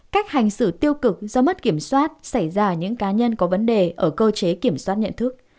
cách hành xử tiêu cực do mất kiểm soát xảy ra ở những cá nhân có vấn đề ở cơ chế kiểm soát nhận thức